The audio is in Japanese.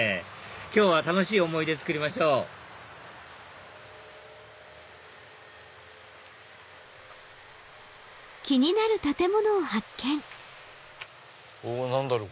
今日は楽しい思い出作りましょう何だろう？